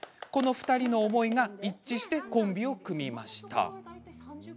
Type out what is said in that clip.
２人の思いが一致してコンビを組みました。